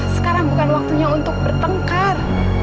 sekarang bukan waktunya untuk bertengkar